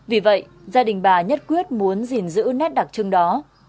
vì vậy gia đình bà nhất quyết muốn gìn giữ nét đặc trưng đó